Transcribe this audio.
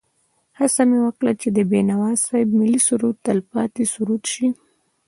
هڅه مې وکړه چې د بېنوا صاحب ملي سرود تل پاتې سرود شي.